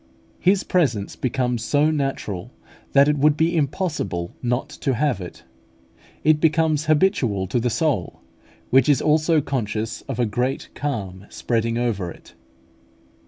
His presence becomes so natural, that it would be impossible not to have it: it becomes habitual to the soul, which is also conscious of a great calm spreading over it.